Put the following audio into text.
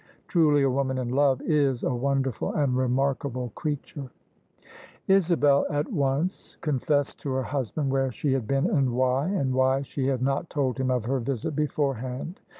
Truly a woman in love is a wonderful and remarkable creature 1 " Isabel at once confessed to her husband where she had been and why — ^and why she had not told him of her visit beforehand.